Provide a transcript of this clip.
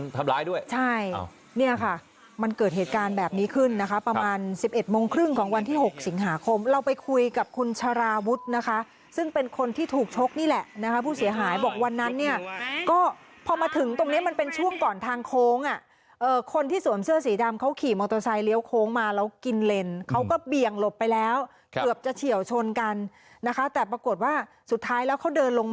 มีคนทำร้ายด้วยใช่เนี่ยค่ะมันเกิดเหตุการณ์แบบนี้ขึ้นนะคะประมาณสิบเอ็ดโมงครึ่งของวันที่หกสิงหาคมเราไปคุยกับคุณชาราวุธนะคะซึ่งเป็นคนที่ถูกชกนี่แหละนะคะผู้เสียหายบอกวันนั้นเนี่ยก็พอมาถึงตรงเนี้ยมันเป็นช่วงก่อนทางโค้งอ่ะเอ่อคนที่สวมเสื้อสีดำเขาขี่มอเตอร์ไซด์เลี้ยวโค้